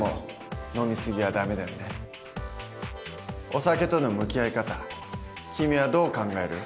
お酒との向き合い方君はどう考える？